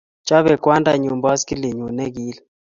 Chopei kwandanyu boskilinyu ne kiil